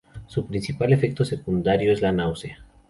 Su principal efecto secundario es la náusea.